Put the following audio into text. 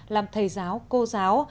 làm thầy giáo cô giáo